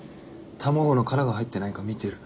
卵の殻が入ってないか見てる。